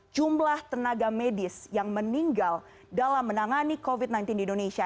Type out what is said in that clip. jumlah tenaga medis yang meninggal dalam menangani covid sembilan belas di indonesia